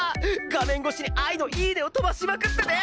画面越しに愛のイイネを飛ばしまくってて！